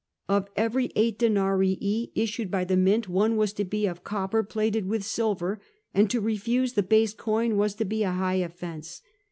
Of every eight denarii issued by the mint, one was to be of copper plated with silver, and to refuse the base coin was to be a high offence.